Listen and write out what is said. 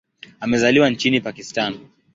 Amezaliwa nchini Pakistan.